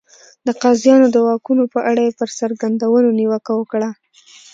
د قاضیانو د واکونو په اړه یې پر څرګندونو نیوکه وکړه.